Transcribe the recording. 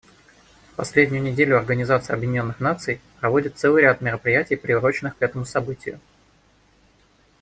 В последнюю неделю Организация Объединенных Наций проводит целый ряд мероприятий, приуроченных к этому событию.